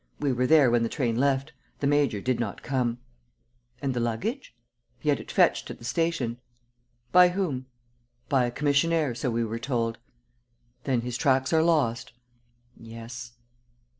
We were there when the train left. The major did not come." "And the luggage?" "He had it fetched at the station." "By whom?" "By a commissionaire, so we were told." "Then his tracks are lost?" "Yes."